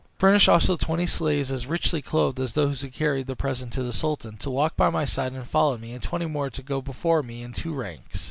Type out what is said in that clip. Furnish also twenty slaves, as richly clothed as those who carried the present to the sultan, to walk by my side and follow me, and twenty more to go before me in two ranks.